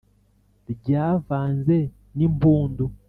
ryavanze n’ impundu